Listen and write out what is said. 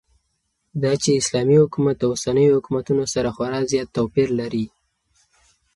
داچې اسلامي حكومت داوسنيو حكومتونو سره خورا زيات توپير لري